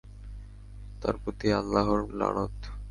তার প্রতি আল্লাহর লানত।